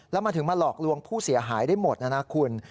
แล้วมันถึงมาหลอกลวงผู้เสียหายได้หมดนะนะคุณ